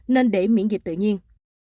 nên để miễn dịch tự nhiên